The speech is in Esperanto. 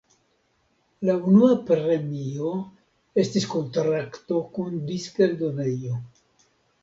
La unua premio estis kontrakto kun diskeldonejo.